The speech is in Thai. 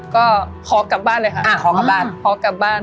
ก็ขอกลับบ้านเลยค่ะขอกลับบ้าน